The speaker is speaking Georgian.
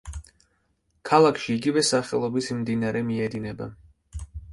ქალაქში იგივე სახელობის მდინარე მიედინება.